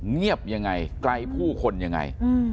เงียบยังไงไกลผู้คนยังไง